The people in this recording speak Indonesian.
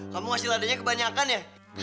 kamu ngasih ladanya kebanyakan ya